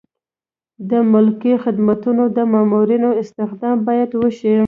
د ملکي خدمتونو د مامورینو استخدام باید وشي.